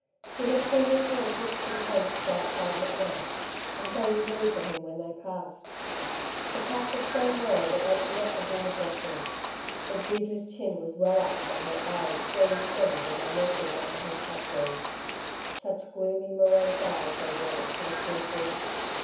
She had seen his horse hitched to the posts outside McNab's, and so was ready for him when they passed. The path was so narrow that they could not avoid brushing. But Deirdre's chin was well up and her eyes very steady when they met his under his hat brim. Such gloomy, morose eyes they were that she looked into.